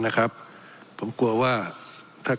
เพราะเรามี๕ชั่วโมงครับท่านนึง